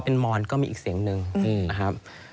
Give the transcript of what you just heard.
เป็นมอนก็มีอีกเสียงหนึ่งนะครับ